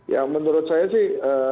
ya menurut saya sih